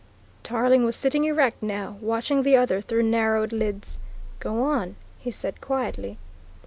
Tarling was sitting erect now, watching the other through narrowed lids. "Go on," he said quietly.